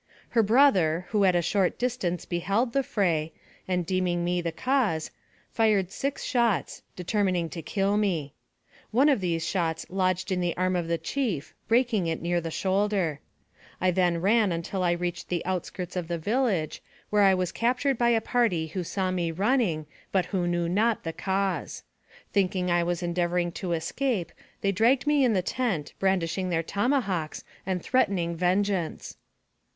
Her brother, who at a short distance beheld the fray, and deeming me the cause, fired six shots, determining to kill me. One of these shots lodged in the arm of the chief, breaking it near the shoulder. I then ran until I reached the outskirts of the village, where I was captured by a party who saw me running, but who knew not the cause. Thinking that I was endeavoring to escape, they dragged me in the tent, brandishing their tomahawks and threatening vengeance.